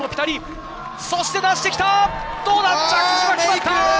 そして出してきた、どうだ！